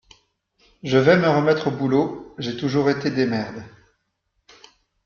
Je vais me remettre au boulot, j’ai toujours été démerde.